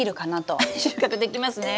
収穫できますね。